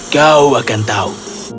kau akan tahu